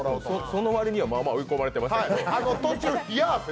その割にはまあまあ追い込まれてましたけど。